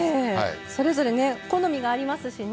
それぞれ好みがありますしね。